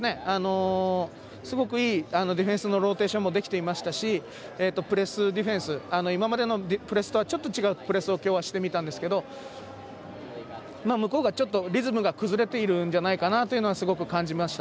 すごくいいディフェンスのローテーションもできていましたしプレスディフェンスいままでのプレスとは違うプレスをしてみたんですけど向こうがリズムが崩れているんじゃないかなとすごく感じました。